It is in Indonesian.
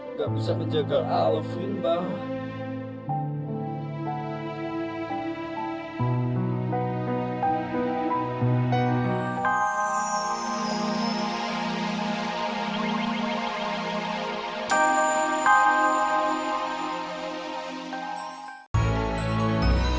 nggak bisa menjaga alvin bahwa